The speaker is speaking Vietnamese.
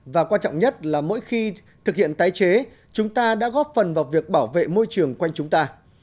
và quan trọng nhất là mỗi khi thực hiện tái chế chúng ta đã góp phần vào việc bảo vệ môi trường quanh chúng ta